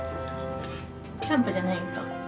キャンプじゃないか。